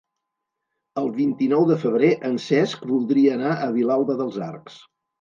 El vint-i-nou de febrer en Cesc voldria anar a Vilalba dels Arcs.